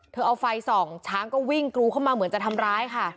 เอาไฟส่องช้างก็วิ่งกรูเข้ามาเหมือนจะทำร้ายค่ะ